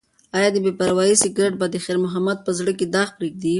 ایا د بې پروایۍ سګرټ به د خیر محمد په زړه کې داغ پریږدي؟